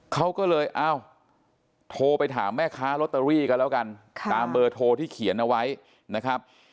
เขาก็เลยเอ้าโทรไปถามแม่ค้าลอตเตอรี่กันแล้วกันตามเบอร์โทรที่เขียนเอาไว้นะครับ